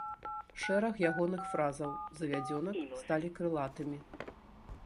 Шэраг ягоных фразаў-завядзёнак сталі крылатымі.